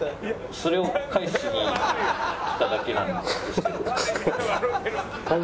それを返しに来ただけなんですけど。